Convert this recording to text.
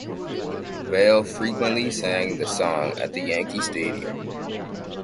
Vale frequently sang the song at Yankee Stadium.